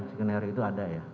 skenario itu ada ya